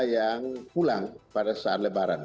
yang pulang pada saat lebaran